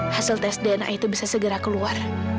hasil tes dna itu bisa segera keluar